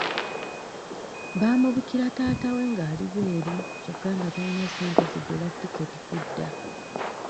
Baamubikira taata we ng'ali bweru kyokka nga tayina ssente zigula tiketi kudda.